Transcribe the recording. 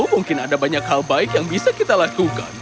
mungkin ada banyak hal baik yang bisa kita lakukan